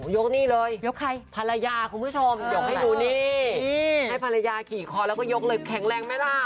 ยกนี่เลยยกใครภรรยาคุณผู้ชมยกให้ดูนี่ให้ภรรยาขี่คอแล้วก็ยกเลยแข็งแรงไหมล่ะ